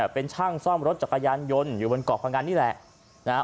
เป็นช่างซ่อมรถจักรยานยนต์อยู่บนเกาะพังอันนี่แหละ